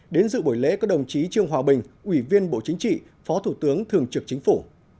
đến dự buổi lễ có đồng chí trương hòa bình ủy viên bộ chính trị phó thủ tướng thường trực chính phủ